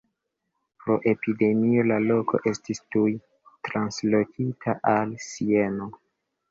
Pro epidemio la loko estis tuj translokita al Sieno.